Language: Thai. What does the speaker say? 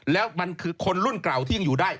แล้วมันคือคนรุ่นเก่าที่ยังอยู่ได้